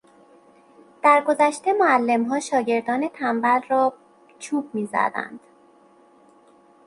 در گذشته معلمها شاگردان تنبل را چوب میزدند.